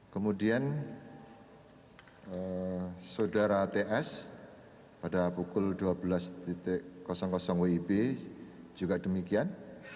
kemudian saudara ts pada pukul dua belas wib juga demikian